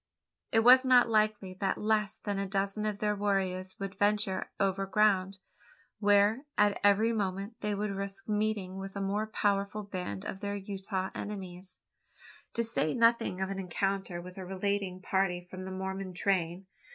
It was not likely that less than a dozen of their warriors would venture over ground, where, at every moment, they would risk meeting with a more powerful band of their Utah enemies to say nothing of an encounter with a retaliating party from the Mormon train?